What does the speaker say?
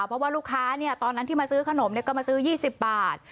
เพราะว่าลูกค้าตอนนั้นที่มาซื้อขนมก็มาซื้อ๒๐บาท